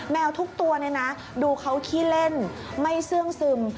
ทุกตัวเนี่ยนะดูเขาขี้เล่นไม่เสื่องซึม